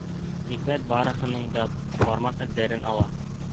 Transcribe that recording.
Ниғәмәт барыһының да бармаҡ эҙҙәрен ала.